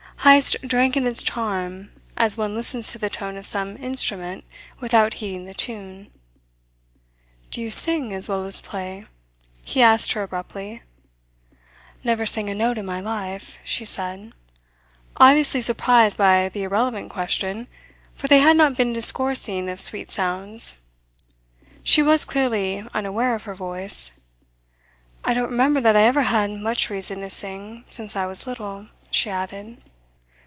Heyst drank in its charm as one listens to the tone of some instrument without heeding the tune. "Do you sing as well as play?" he asked her abruptly. "Never sang a note in my life," she said, obviously surprised by the irrelevant question; for they had not been discoursing of sweet sounds. She was clearly unaware of her voice. "I don't remember that I ever had much reason to sing since I was little," she added.